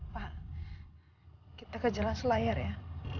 pak kita ke jalan selayar ya